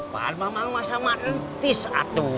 makamu masih mantis atuh